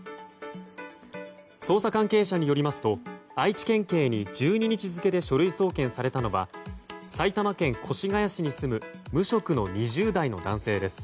捜査関係者によりますと愛知県警に１２日付で書類送検されたのは埼玉県越谷市に住む無職の２０代の男性です。